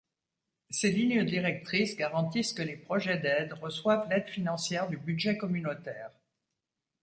Ces lignes directrices garantissent que les projets d'aide reçoivent l'aide financière du Budget communautaire.